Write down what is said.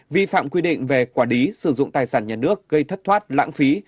vi phạm quyết định về quả đí sử dụng tài sản nhà nước gây thất thoát lãng phí